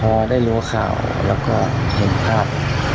พอได้รู้ข่าวแล้วก็เห็นภาพ